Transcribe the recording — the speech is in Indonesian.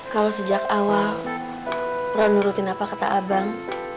kalau sejak awal pro nurutin apa kata abang